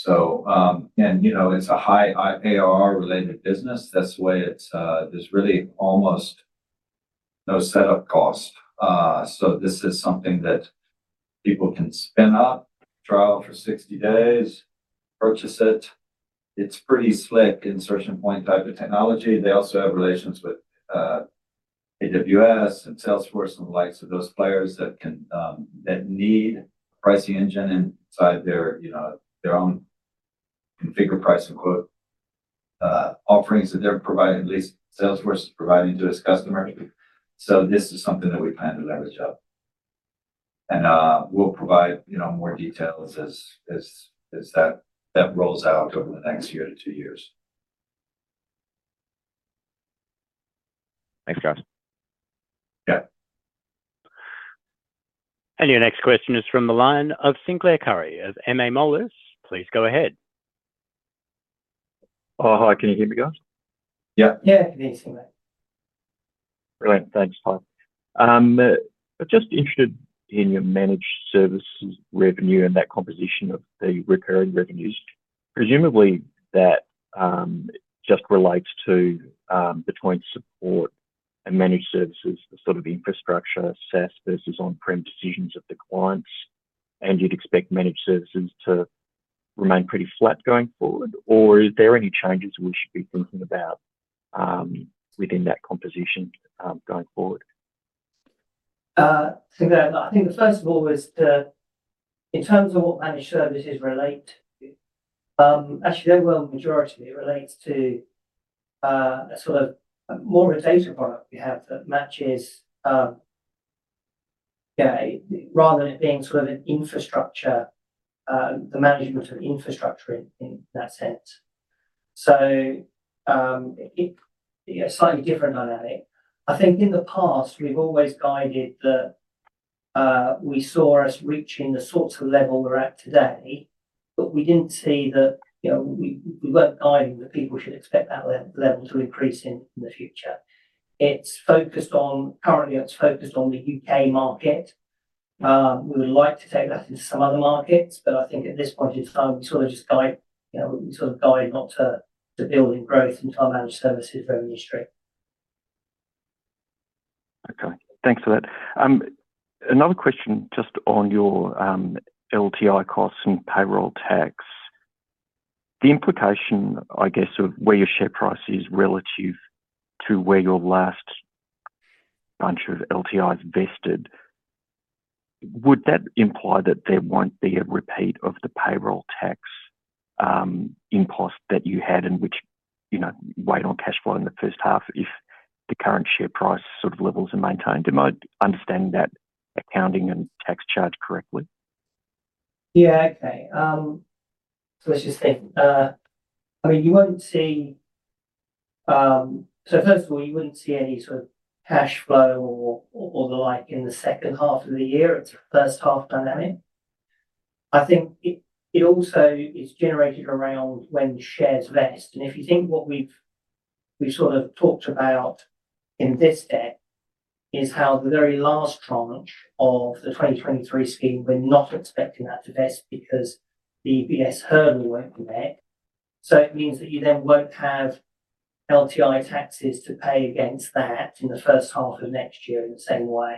You know, it's a high ARR-related business. That's why it's, there's really almost no setup cost. This is something that people can spin up, trial for 60 days, purchase it. It's pretty slick insertion point type of technology. They also have relations with AWS and Salesforce and the likes of those players that can that need a pricing engine inside their, you know, their own Configure, Price, Quote offerings that they're providing, at least Salesforce is providing to its customers. This is something that we plan to leverage up. We'll provide, you know, more details as that rolls out over the next year to two years. Thanks, guys. Yeah. Your next question is from the line of Sinclair Currie of MA Moelis. Please go ahead. Oh, hi. Can you hear me, guys? Yeah. Yeah. We can hear you, Sinclair. Brilliant. Thanks, fine. I'm just interested in your managed services revenue and that composition of the recurring revenues. Presumably that just relates to between support and managed services, the sort of infrastructure, SaaS versus on-prem decisions of the clients. You'd expect managed services to remain pretty flat going forward? Is there any changes we should be thinking about within that composition going forward? Sinclair, I think first of all was the, in terms of what managed services relate, actually the overwhelming majority relates to a sort of more of a data product we have that matches, you know, rather than it being sort of an infrastructure, the management of infrastructure in that sense. Yeah, slightly different dynamic. I think in the past we've always guided that we saw us reaching the sorts of level we're at today, but we didn't see that, you know, we weren't guiding that people should expect that level to increase in the future. Currently it's focused on the U.K. market. We would like to take that into some other markets, but I think at this point in time, we sort of just guide, you know, we sort of guide not to build in growth into our managed services revenue stream. Okay. Thanks for that. Another question just on your LTI costs and payroll tax. The implication, I guess, of where your share price is relative to where your last bunch of LTIs vested, would that imply that there won't be a repeat of the payroll tax impulse that you had, and which, you know, weighed on cash flow in the first half if the current share price sort of levels are maintained? Am I understanding that accounting and tax charge correctly? Yeah. Okay. Let's just think. I mean, you won't see first of all, you wouldn't see any sort of cash flow or the like in the second half of the year. It's a first half dynamic. I think it also is generated around when shares vest. If you think what we've sort of talked about in this deck is how the very last tranche of the 2023 scheme, we're not expecting that to vest because the EPS hurdle won't be met. It means that you then won't have LTI taxes to pay against that in the first half of next year in the same way.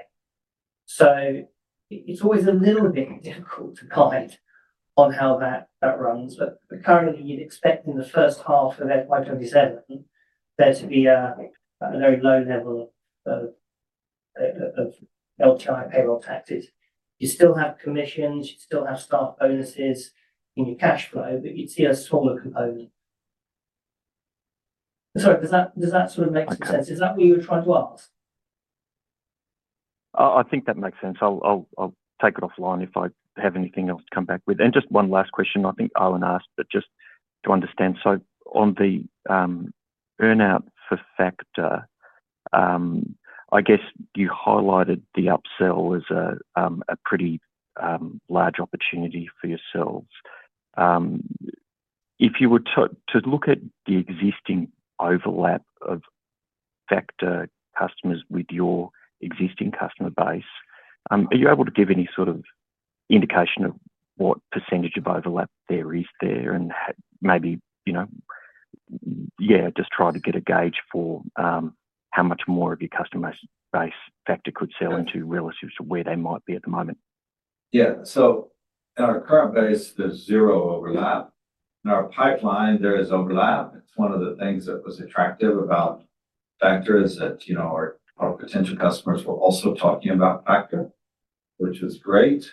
It's always a little bit difficult to guide on how that runs. Currently you'd expect in the first half of FY 2027 there to be a very low level of LTI payroll taxes. You still have commissions, you still have staff bonuses in your cash flow, but you'd see a smaller component. Sorry, does that sort of make sense? Okay. Is that what you were trying to ask? I think that makes sense. I'll take it offline if I have anything else to come back with. Just one last question I think Owen asked, but just to understand. On the earn-out for Factor, I guess you highlighted the upsell as a pretty large opportunity for yourselves. If you were to look at the existing overlap of Factor customers with your existing customer base, are you able to give any sort of indication of what percentage of overlap there is there, and maybe, you know, yeah, just try to get a gauge for how much more of your customer base Factor could sell into relative to where they might be at the moment? Yeah. At our current base, there's zero overlap. In our pipeline, there is overlap. It's one of the things that was attractive about Factor is that, you know, our potential customers were also talking about Factor, which was great.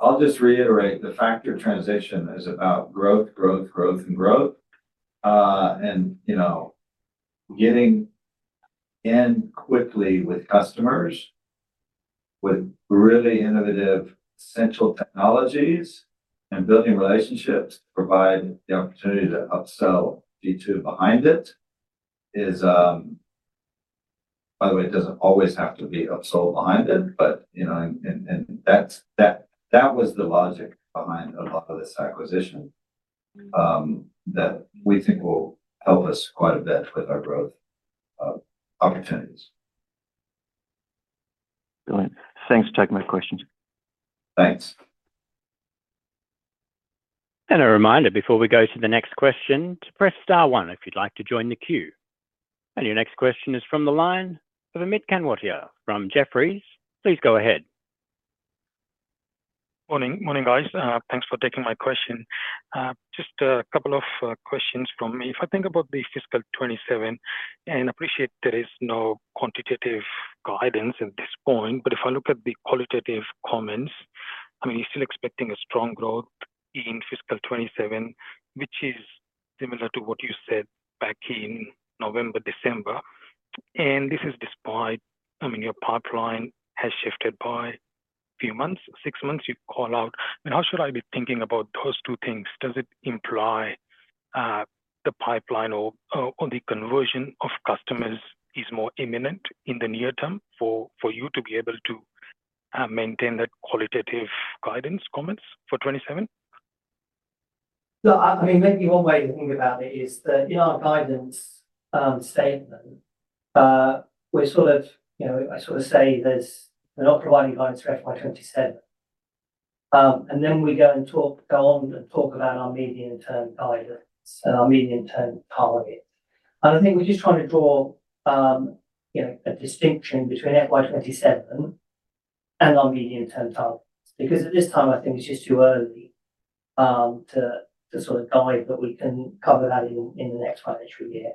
I'll just reiterate, the Factor transition is about growth, growth and growth. You know, getting in quickly with customers with really innovative essential technologies and building relationships to provide the opportunity to upsell g2 behind it. By the way, it doesn't always have to be upsold behind it, but, you know, and that's that was the logic behind a lot of this acquisition, that we think will help us quite a bit with our growth opportunities. Brilliant. Thanks for taking my questions. Thanks. A reminder before we go to the next question to press star one if you'd like to join the queue. Your next question is from the line of Amit Kanwatia from Jefferies. Please go ahead. Morning, guys. Thanks for taking my question. Just a couple of questions from me. If I think about the fiscal 2027, and appreciate there is no quantitative guidance at this point, but if I look at the qualitative comments, I mean, you're still expecting a strong growth in fiscal 2027, which is similar to what you said back in November, December. This is despite, I mean, your pipeline has shifted by few months. Six months, you call out. I mean, how should I be thinking about those two things? Does it imply the pipeline or the conversion of customers is more imminent in the near term for you to be able to maintain that qualitative guidance comments for 2027? No. I mean, maybe one way to think about it is that in our guidance statement, we're not providing guidance for FY 2027. Then we go on and talk about our medium-term guidance and our medium-term targets. I think we're just trying to draw, you know, a distinction between FY 2027 and our medium-term targets. Because at this time, I think it's just too early to sort of guide, but we can cover that in the next financial year.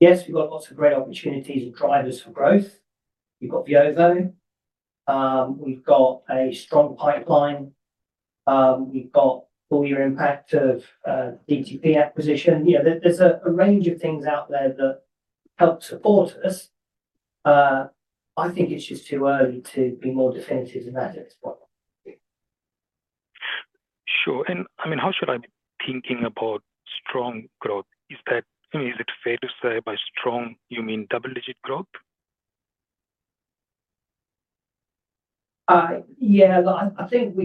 Yes, we've got lots of great opportunities and drivers for growth. We've got Veovo. We've got a strong pipeline. We've got full year impact of DTP acquisition. You know, there's a range of things out there that help support us. I think it's just too early to be more definitive in that at this point. Sure. I mean, how should I be thinking about strong growth? Is that, I mean, is it fair to say by strong, you mean double-digit growth? Yeah. Look, I think we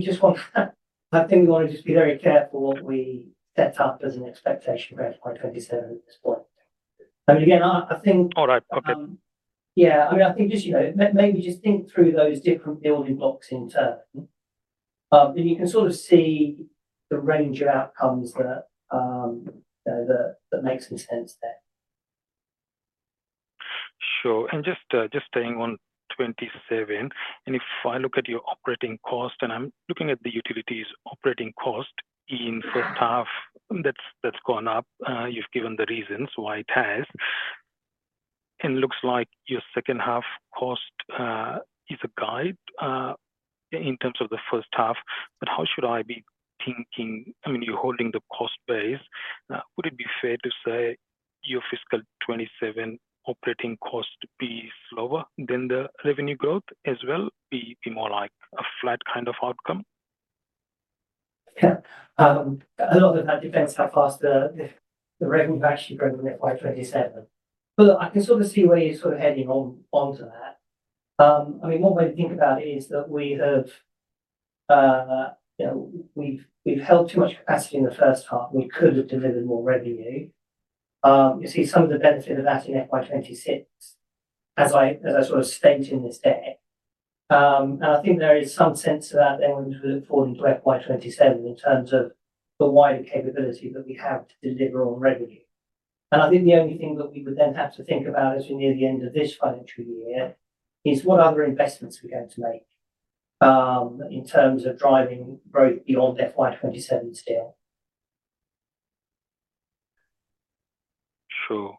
wanna just be very careful what we set up as an expectation for FY 2027 at this point. I mean, again, I think. All right. Okay. I mean, I think just, you know, maybe just think through those different building blocks in turn. You can sort of see the range of outcomes that, you know, that make some sense there. Sure. Just staying on 2027. If I look at your operating cost, I am looking at the utilities operating cost in first half, that is gone up. You have given the reasons why it has. Looks like your second half cost is a guide in terms of the first half. How should I be thinking I mean, you are holding the cost base? Would it be fair to say your FY 2027 operating cost be slower than the revenue growth as well, be more like a flat kind of outcome? Yeah. A lot of that depends how fast the revenue actually growing at FY 2027. Look, I can sort of see where you're sort of heading on, onto that. I mean, one way to think about it is that we have, you know, we've held too much capacity in the first half, and we could have delivered more revenue. You see some of the benefit of that in FY 2026, as I sort of state in this deck. I think there is some sense to that then going forward into FY 2027 in terms of the wider capability that we have to deliver on revenue. I think the only thing that we would then have to think about as we near the end of this financial year is what other investments are we going to make in terms of driving growth beyond FY 2027 still. Sure.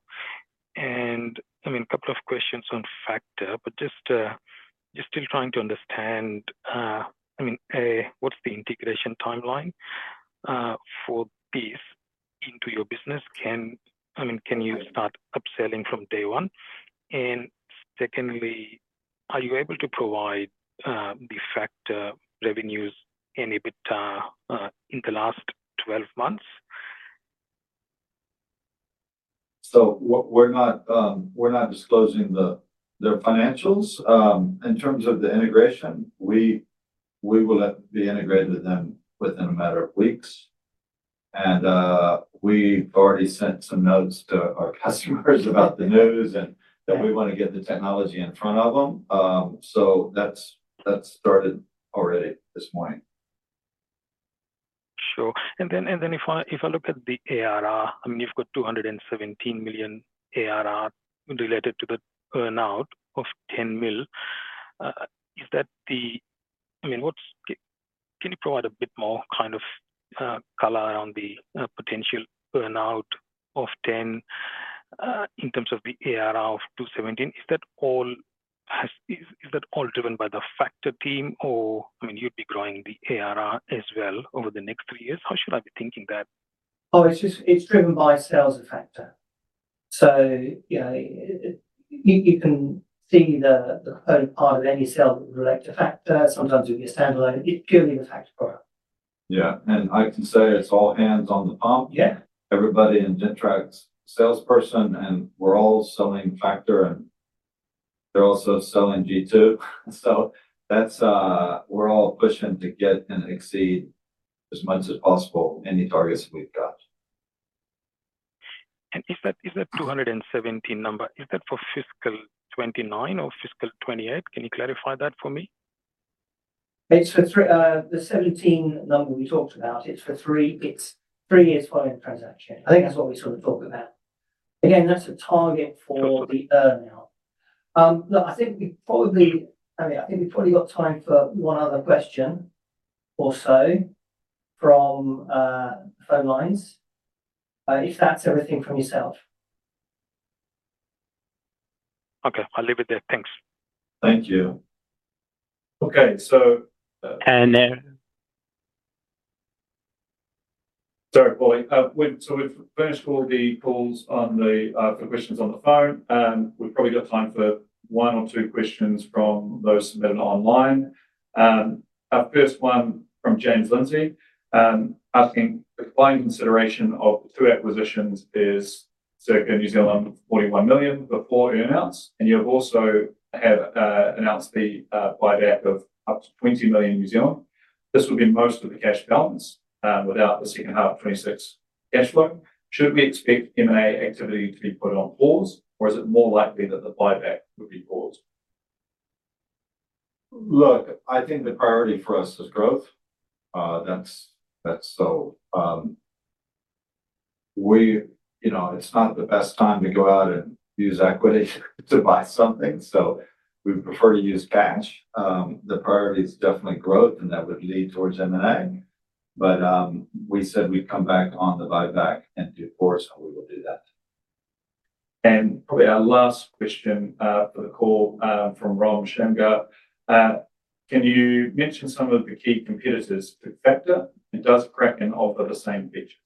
I mean, couple of questions on Factor. Just still trying to understand, I mean, a, what's the integration timeline, for this into your business? I mean, can you start upselling from day one? Secondly, are you able to provide, the Factor revenues and EBITDA, in the last 12 months? What we're not, we're not disclosing their financials. In terms of the integration, we will be integrated with them within a matter of weeks. We've already sent some notes to our customers about the news and that we wanna get the technology in front of them. That's started already this morning. Sure. If I look at the ARR, I mean, you've got 217 million ARR related to the earn-out of 10 million. Can you provide a bit more kind of color on the potential earn-out of 10 in terms of the ARR of [217]? Is that all driven by the Factor team or, I mean, you'd be growing the ARR as well over the next three years. How should I be thinking that? It's just, it's driven by sales of Factor. You know, you can see the current part of any sale would relate to Factor. Sometimes it would be a standalone. It's purely the Factor product. Yeah. I can say it's all hands on the pump. Yeah. Everybody in Gentrack's a salesperson, and we're all selling Factor and they're also selling g2. We're all pushing to get and exceed as much as possible any targets we've got. Is that 217 number, is that for fiscal 2029 or fiscal 2028? Can you clarify that for me? It's the [17] number we talked about, it's three years following transaction. I think that's what we sort of talked about. That's a target for the earn-out. Look, I mean, I think we've probably got time for one other question or so from phone lines, if that's everything from yourself. Okay. I'll leave it there. Thanks. Thank you. Okay. And then- Sorry, Paulie. We've finished all the calls on the for questions on the phone. We've probably got time for one or two questions from those submitted online. Our first one from James Lindsay asking, "The combined consideration of two acquisitions is circa 41 million before earn-outs, and you have also announced the buyback of up to 20 million. This would be most of the cash balance without the second half 2026 cash flow. Should we expect M&A activity to be put on pause, or is it more likely that the buyback would be paused? Look, I think the priority for us is growth. That's so. We You know, it's not the best time to go out and use equity to buy something. We'd prefer to use cash. The priority is definitely growth and that would lead towards M&A. We said we'd come back on the buyback and due course, and we will do that. Probably our last question, for the call, from [Rohan Shankar]. Can you mention some of the key competitors to Factor? Does Kraken offer the same features?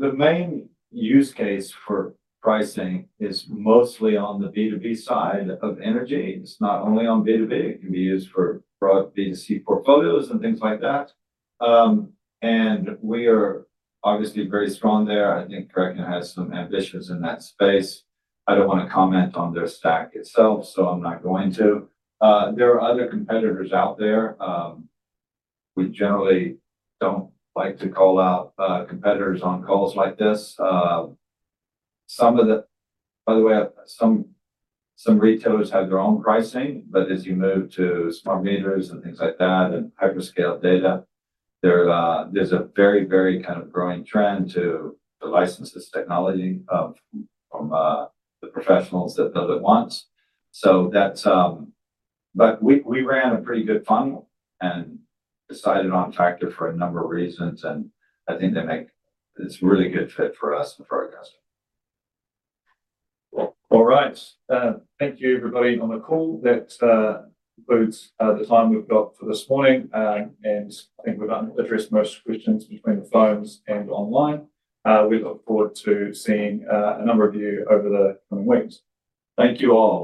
The main use case for pricing is mostly on the B2B side of energy. It's not only on B2B, it can be used for broad B2C portfolios and things like that. We are obviously very strong there. I think Kraken has some ambitions in that space. I don't wanna comment on their stack itself, so I'm not going to. There are other competitors out there. We generally don't like to call out competitors on calls like this. Some retailers have their own pricing, but as you move to smart meters and things like that and hyperscale data, there's a very, very kind of growing trend to license this technology from the professionals that build it once. That, we ran a pretty good funnel and decided on Factor for a number of reasons, and I think they make this really good fit for us and for our customers. Well, all right. Thank you everybody on the call. That concludes the time we've got for this morning. I think we've addressed most questions between the phones and online. We look forward to seeing a number of you over the coming weeks. Thank you all.